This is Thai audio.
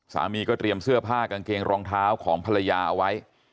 สามีก็เตรียมเสื้อผ้ากางเกงรองเท้าของภรรยาเอาไว้